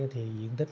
thì diện tích